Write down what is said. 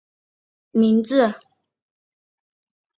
于都斤是突厥神话和腾格里信仰传说中的一座都城的名字。